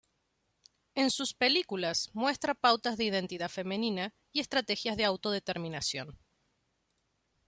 En sus películas, muestra pautas de identidad femenina y estrategias de auto-determinación.